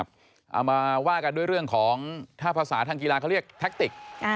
เอามาว่ากันด้วยเรื่องของถ้าภาษาทางกีฬาเขาเรียกแท็กติก